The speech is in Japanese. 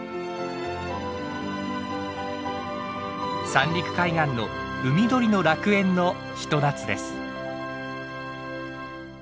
三陸海岸の海鳥の楽園のひと夏です。